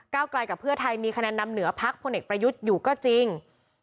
ไกลกับเพื่อไทยมีคะแนนนำเหนือพักพลเอกประยุทธ์อยู่ก็จริง